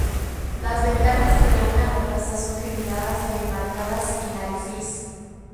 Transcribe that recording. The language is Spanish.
Las ventanas que dan a la plaza son geminadas y enmarcadas en alfiz.